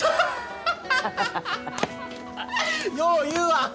よう言うわ！